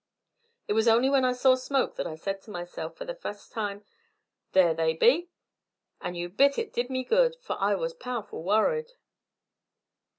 It was only when I saw smoke that I said to myself for the fust time: 'There they be.' And you bet it did me good, for I was powerful worried."